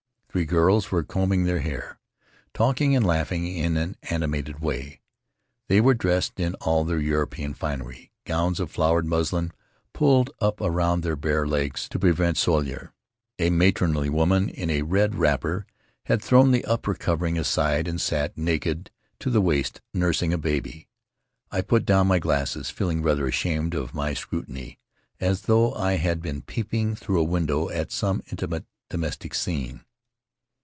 Three girls were combing their hair, talking and laughing in an animated way. They were dressed in all their European finery, gowns of flowered muslin pulled up around their bare legs to prevent soilure. A matronly woman in a red wrapper had thrown the upper covering aside and sat, naked to the waist, nursing a baby. I put down my glasses, feeling rather ashamed of my scrutiny, as though I had been peeping through a window at some intimate domestic scene.